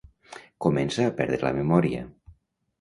Comença a perdre memòria.